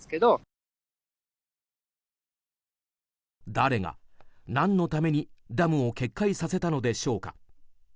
誰が何のためにダムを決壊させたのでしょうか。